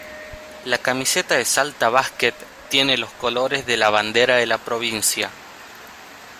La camiseta de Salta Basket tiene los colores de la bandera de la provincia.